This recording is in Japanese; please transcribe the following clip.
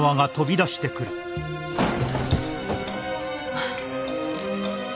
あっ。